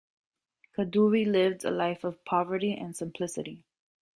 Kaduri lived a life of poverty and simplicity.